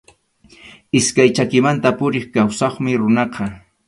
Iskay chakimanta puriq kawsaqmi runaqa.